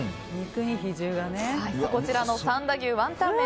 こちらの三田牛ワンタン麺